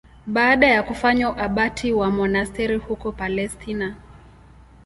Baada ya kufanywa abati wa monasteri huko Palestina.